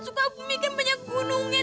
sukabumi kan banyak gunungnya